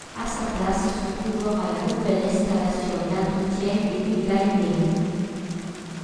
A sa place se trouvera la nouvelle installation d'entretien et du Lightning.